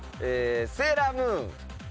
『セーラームーン』。